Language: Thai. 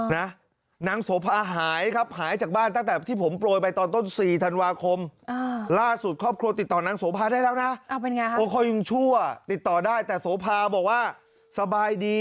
นางโสภาหายต้อนต้นสี่ธันวาคมล่าสุดครอบครัวติดต่อนางโสภาได้แล้วนะ